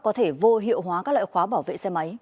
có thể vô hiệu hóa các loại khóa bảo vệ xe máy